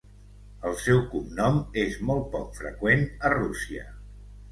El seu cognom és molt poc freqüent a Rússia.